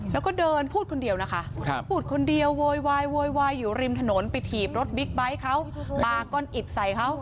แล้วก็เดินพูดคนเดียวนะคะพูดคนเดียวโวยวายโวยวายอยู่ริมถนนไปถีบรถบิ๊กไบท์เขาปลาก้อนอิดใส่เขา